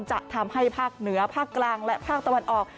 จะทำให้ภาคเหนือภาคกลางและภาคตะวันออก